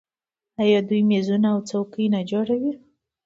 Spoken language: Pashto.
آیا دوی میزونه او څوکۍ نه جوړوي؟